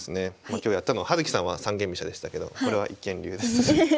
今日やったのは葉月さんは三間飛車でしたけどこれは一間竜です。